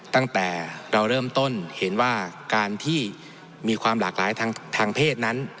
ตั้งแต่เราเริ่มต้นเห็นว่าการที่มีความหลากหลายทางเพศนั้น